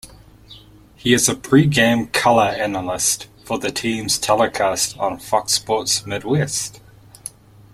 He is a pregame color analyst for the team's telecasts on Fox Sports Midwest.